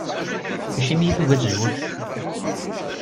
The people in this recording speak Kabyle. Acimi i tugi ad tezweǧ?